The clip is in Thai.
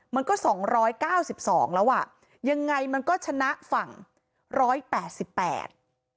มันก็สองร้อยเก้าสิบสองแล้วอ่ะยังไงมันก็ชนะฝั่งร้อยแปดสิบแปด